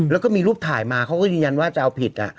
แล้วก็มีรูปถ่ายมาเขาก็ยืนยันว่าจะเอาผิด